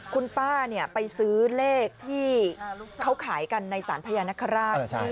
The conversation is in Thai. คุณป้าไปซื้อเลขที่เขาขายกันในสารพญานคราช